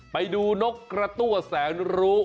ไปดูนกกระตั้วแสนรู้